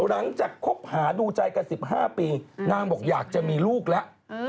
คบหาดูใจกัน๑๕ปีนางบอกอยากจะมีลูกแล้ว